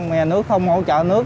mà nhà nước không hỗ trợ nước